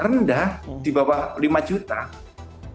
nanti dapat tunjangan kinerja dapat lagi nanti